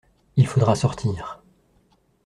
Il faudra sortir.